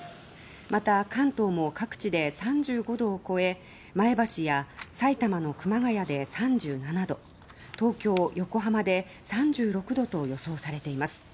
また、関東も各地で３５度を超え前橋や埼玉の熊谷で３７度東京、横浜で３６度と予想されています。